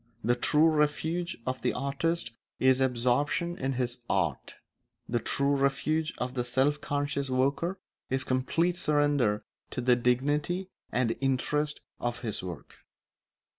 The true refuge of the artist is absorption in his art; the true refuge of the self conscious worker is complete surrender to the dignity and interest of his work.